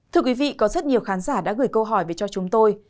thưa quý vị có rất nhiều khán giả đã gửi câu hỏi về cho chúng tôi